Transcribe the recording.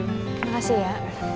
terima kasih ya